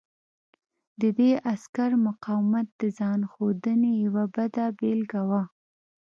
د دې عسکر مقاومت د ځان ښودنې یوه بده بېلګه وه